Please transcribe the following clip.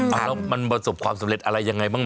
เอาแล้วมันประสบความสำเร็จอะไรยังไงบ้าง